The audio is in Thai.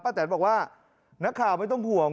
แตนบอกว่านักข่าวไม่ต้องห่วง